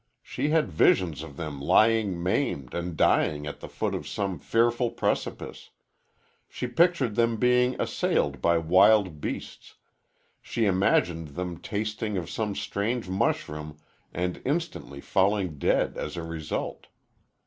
She had visions of them lying maimed and dying at the foot of some fearful precipice; she pictured them being assailed by wild beasts; she imagined them tasting of some strange mushroom and instantly falling dead as a result.